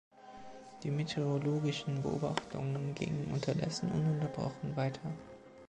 Die meteorologischen Beobachtungen gingen unterdessen ununterbrochen weiter.